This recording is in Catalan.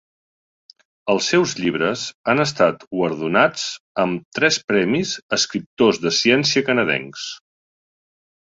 Els seus llibres han estat guardonats amb tres premis Escriptors de ciència canadencs.